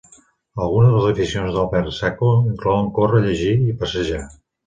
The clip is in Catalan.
Alguna de les aficions d'Albert Sacco inclouen córrer, llegir i passejar.